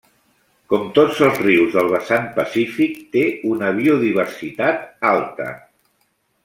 Com tots els rius del vessant pacífic, té una biodiversitat alta.